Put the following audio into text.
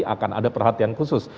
akan ada perhatian khusus